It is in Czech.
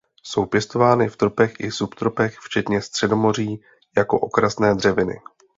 Jsou pěstovány v tropech i subtropech včetně Středomoří jako okrasné dřeviny.